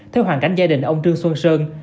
theo hoàn cảnh gia đình ông trương xuân sơn